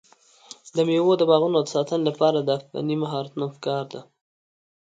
د مېوو د باغونو د ساتنې لپاره د فني مهارتونو پکار دی.